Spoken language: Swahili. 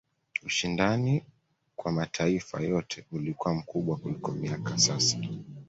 ushindani kwa mataifa yote ulikuwa mkubwa kuliko miaka ya sasa